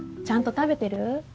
ちゃんと食べてる？